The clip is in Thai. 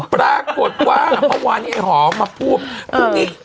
ปรากฏว่าพระวานิหอมาพูด